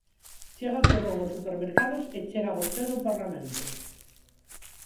Chega o turrón aos supermercados e chega vostede ao Parlamento.